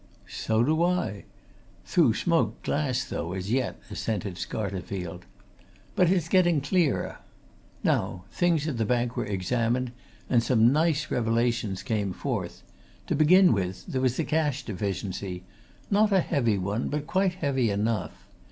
"So do I through smoked glass, though, as yet," assented Scarterfield. "But it's getting clearer. Now, things at the bank were examined and some nice revelations came forth! To begin with, there was a cash deficiency not a heavy one, but quite heavy enough.